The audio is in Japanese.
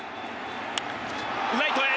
ライトへ。